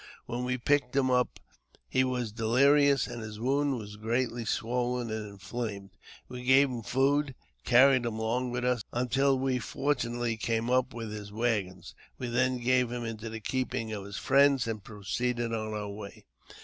When we picked him up he was delirious, and his wound was greatly swollen and inflamed. We gave him food, and carried him along with us, until we fortunately came up with his waggons. We then gave him into the keeping of his friends, and proceeded on our way.